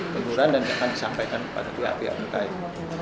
teguran dan akan disampaikan kepada pihak pihak terkait